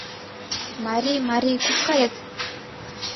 - Мари, мари, куш кает?